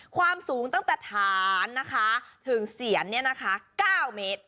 ความสูงตั้งแต่ฐานนะคะถึงเสียน๙เมตร